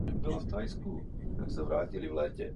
Cvičení však není hlavním způsobem regulace tělesné hmotnosti.